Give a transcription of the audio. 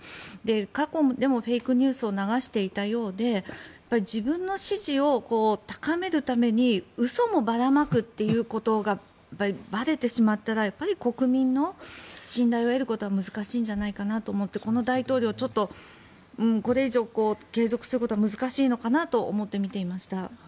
過去にもフェイクニュースを流していたようで自分の支持を高めるために嘘もばらまくということがばれてしまったらやはり国民の信頼を得ることは難しいんじゃないかなと思ってこの大統領ちょっとこれ以上継続することは難しいのかなと思って見ていました。